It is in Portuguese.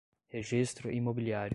registro imobiliário